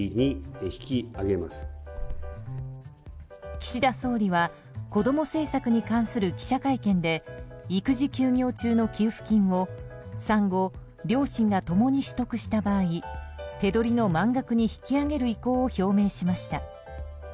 岸田総理はこども政策に関する記者会見で育児休業中の給付金を産後、両親が共に取得した場合手取りの満額に引き上げる意向を表明しました。